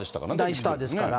大スターですから。